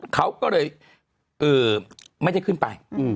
เขาก็เลยไม่ได้ขึ้นไป